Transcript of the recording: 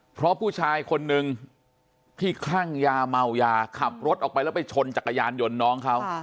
เพราะผู้ชายคนนึงที่คลั่งยาเมายาขับรถออกไปแล้วไปชนจักรยานยนต์น้องเขา